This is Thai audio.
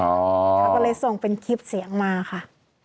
เขาก็เลยส่งเป็นคลิปเสียงมาค่ะ